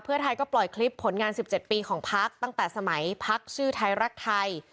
เพื่อไทยก็ปล่อยคลิปผลงาน๑๗ปีของพักตั้งแต่สมัยพักชื่อไทยรักไทย